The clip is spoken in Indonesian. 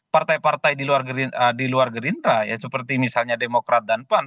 partai partai di luar gerindra ya seperti misalnya demokrat dan pan